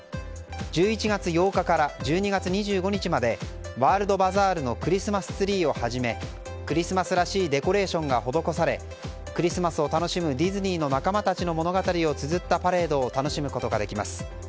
１１月８日から１２月２５日までワールドバザールのクリスマスツリーをはじめクリスマスらしいデコレーションが施されクリスマスを楽しむディズニーの仲間たちの物語をつづったパレードを楽しむことができます。